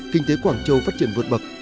kinh tế quảng châu phát triển vượt bậc